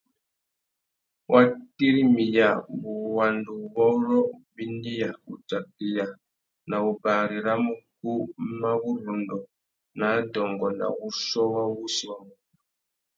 Wa tirimiya wuwanduwôrrô, wubindiya, wutsakeya na wubari râ mukú mà wurrôndô nà adôngô nà wuchiô wa wussi wa MUTU.